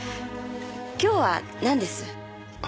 今日はなんです？